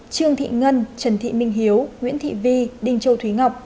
trương thị ngân trần thị minh hiếu nguyễn thị vi đinh châu thúy ngọc